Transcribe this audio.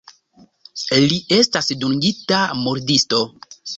Li estas dungita murdisto.